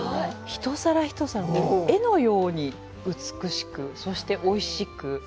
一皿一皿、絵のように美しく、そしておいしく。